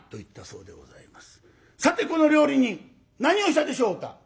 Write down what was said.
さてこの料理人何をしたでしょうか？